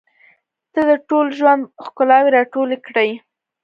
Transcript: • ته د ټول ژوند ښکلاوې راټولې کړې.